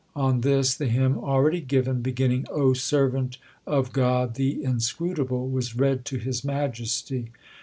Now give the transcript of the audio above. On this the hymn already given, beginning O servant of God the Inscrutable , was read to His Majesty.